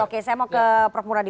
oke saya mau ke prof muradi